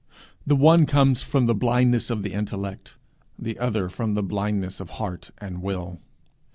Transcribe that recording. The one comes from blindness of the intellect, the other from blindness of heart and will.